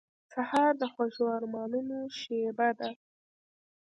سهار د خوږو ارمانونو شېبه ده.